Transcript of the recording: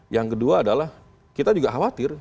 yang kedua adalah kita juga khawatir